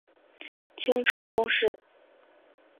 清朝宗室。